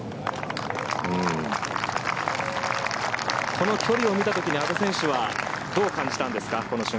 この距離を見た時に阿部選手はこの瞬間どう感じたんですか。